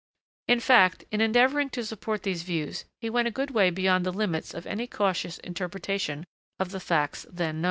In fact, in endeavoring to support these views he went a good way beyond the limits of any cautious interpretation of the facts then known.